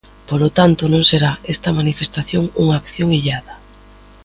Polo tanto, non será esta manifestación unha acción illada.